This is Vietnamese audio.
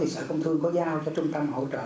sở công thương có giao cho trung tâm hỗ trợ